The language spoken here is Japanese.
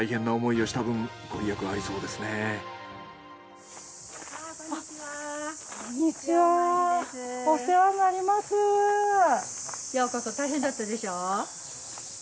ようこそ大変だったでしょ。